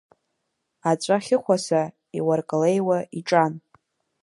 Аҵәа хьыхәаса, иуаркалеиуа иҿан.